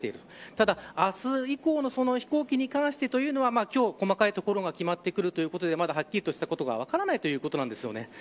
ただ、明日以降の飛行機に関しては今日細かいところが決まってくるということではっきりしたことは分からないという状況です。